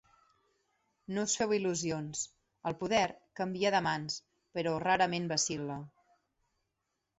No us feu il·lusions: el poder canvia de mans, però rarament vacil·la...